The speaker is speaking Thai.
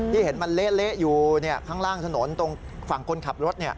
เห็นมันเละอยู่ข้างล่างถนนตรงฝั่งคนขับรถ